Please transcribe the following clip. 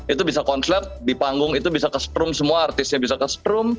itu bisa konslet di panggung itu bisa kesprum semua artisnya bisa kesprum